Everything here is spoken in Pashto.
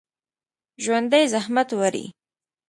ژوندي زحمت وړي